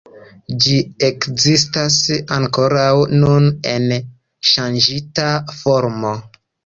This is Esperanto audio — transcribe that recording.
Ĝi ekzistas ankoraŭ nun en ŝanĝita formo.